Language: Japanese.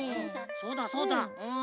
そうだそうだうん。